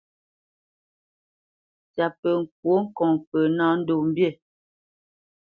Ntsyapǝ kwó ŋkɔŋ pǝ ná nâ ndo mbî.